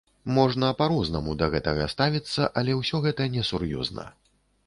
Можна па-рознаму да гэтага ставіцца, але ўсё гэта не сур'ёзна.